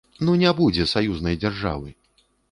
Ну не будзе саюзнай дзяржавы!